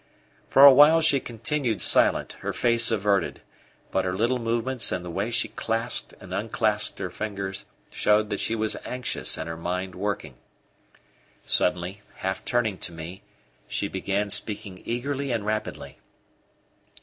For a while she continued silent, her face averted, but her little movements and the way she clasped and unclasped her fingers showed that she was anxious and her mind working. Suddenly, half turning to me, she began speaking eagerly and rapidly.